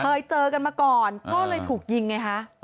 เคยเจอกันมาก่อนก็เลยถูกยิงไงคะ